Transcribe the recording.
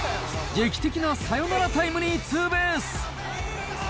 劇的なサヨナラタイムリーツーベース。